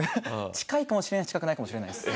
近いかもしれないし近くないかもしれないです。